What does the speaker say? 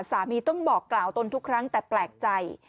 สามีต้องบอกกล่าวตนทุกครั้งแต่แปลกใจ